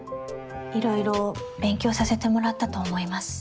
いろいろ勉強させてもらったと思います。